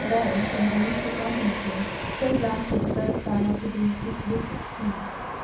Bering and we who accompanied him saw land for the first time after being six weeks at sea.